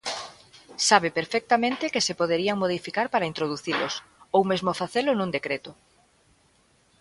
Sabe perfectamente que se poderían modificar para introducilos, ou mesmo facelo nun decreto.